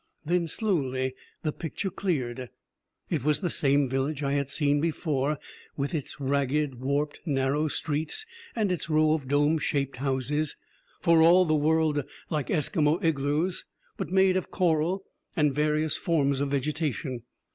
Then, slowly, the picture cleared. It was the same village I had seen before, with its ragged, warped, narrow streets, and its row of dome shaped houses, for all the world like Eskimo igloos, but made of coral and various forms of vegetation.